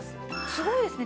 すごいですね。